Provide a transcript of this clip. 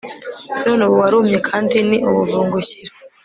none ubu warumye kandi ni ubuvungukira